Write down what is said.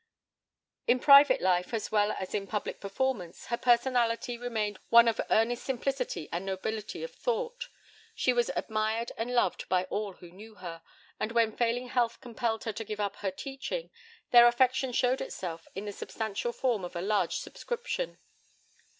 In private life, as well as in public performance, her personality remained one of earnest simplicity and nobility of thought. She was admired and loved by all who knew her, and when failing health compelled her to give up her teaching, their affection showed itself in the substantial form of a large subscription.